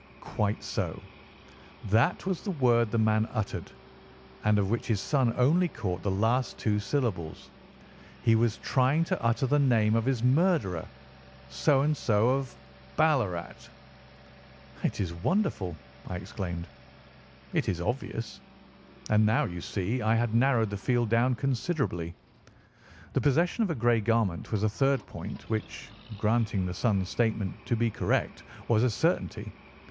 "Quite so. That was the word the man uttered, and of which his son only caught the last two syllables. He was trying to utter the name of his murderer. So and so, of Ballarat." "It is wonderful!" I exclaimed. "It is obvious. And now, you see, I had narrowed the field down considerably. The possession of a grey garment was a third point which, granting the son's statement to be correct, was a certainty.